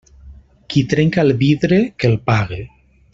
Qui trenca el vidre, que el pague.